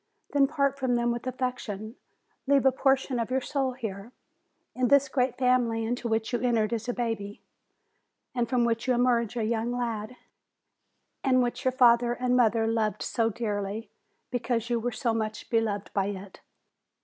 Then part from them with affection; leave a portion of your soul here, in this great family into which you entered as a baby, and from which you emerge a young lad, and which your father and mother loved so dearly, because you were so much beloved by it.